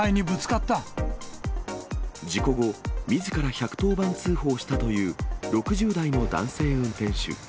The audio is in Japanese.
事故後、みずから１１０番通報したという６０代の男性運転手。